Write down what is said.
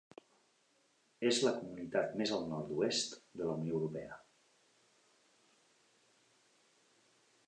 És la comunitat més al nord-oest de la Unió Europea.